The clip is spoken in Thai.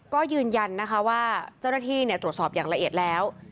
ก็ยืนยันนะคะว่าเจ้าหน้าที่ตรวจสอบอย่างละเอียดแล้ว